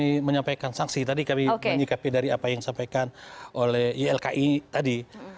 oke sebelum kami menyampaikan sangsi tadi kami menyikapi dari apa yang disampaikan oleh ilki tadi